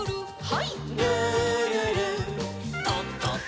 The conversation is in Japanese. はい。